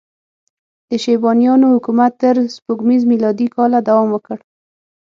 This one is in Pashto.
د شیبانیانو حکومت تر سپوږمیز میلادي کاله دوام وکړ.